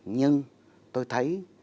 nhưng tôi thấy